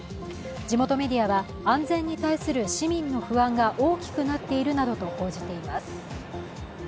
地元メディアは安全に対する市民の不安が大きくなっているなどと報じています。